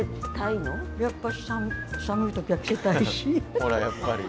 ほらやっぱり。